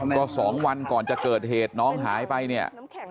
ก็๒วันก่อนจะเกิดเหตุน้องหายไปเนี่ย